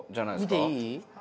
見ていい？